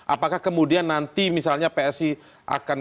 apakah kemudian nanti misalnya psi akan kemudian melakukan counter attack